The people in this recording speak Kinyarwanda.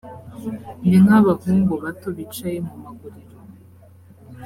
ni nk’abahungu bato bicaye mu maguriro